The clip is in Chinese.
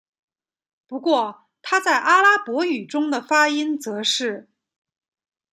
不过它在阿拉伯语中的发音则是。